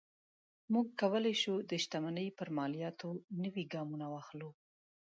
موږ کولی شو د شتمنۍ پر مالیاتو نوي ګامونه واخلو.